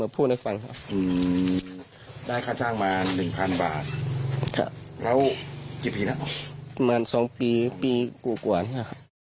ประมาณ๒ปีปีกูกวันค่ะ